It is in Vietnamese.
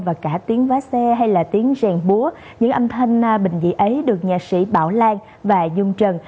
và cả tiếng vá xe hay là tiếng rèn búa những âm thanh bình dị ấy được nhạc sĩ bảo lan và dung trần